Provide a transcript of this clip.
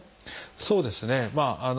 そうですね。